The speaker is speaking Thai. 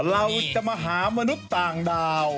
เราจะมาหามนุษย์ต่างดาว